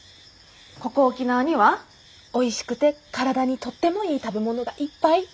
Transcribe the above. ここ沖縄にはおいしくて体にとってもいい食べ物がいっぱい。